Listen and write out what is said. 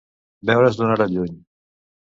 Veure's d'una hora lluny.